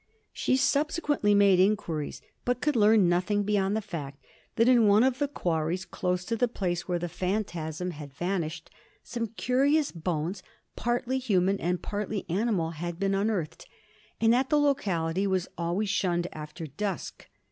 She subsequently made inquiries, but could learn nothing beyond the fact that, in one of the quarries close to the place where the phantasm had vanished, some curious bones, partly human and partly animal, had been unearthed, and that the locality was always shunned after dusk.